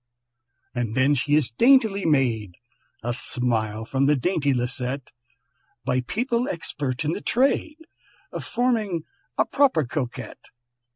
"And then she is daintily made" (A smile from the dainty Lisette), "By people expert in the trade Of forming a proper Coquette.